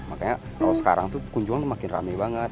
makanya kalau sekarang tuh kunjungan makin rame banget